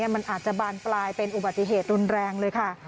มันอาจจะบานปลายเป็นอุบัติเหตุรุนแรงเลยค่ะ